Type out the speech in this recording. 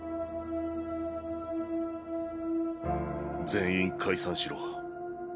全員解散しろ。